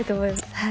はい！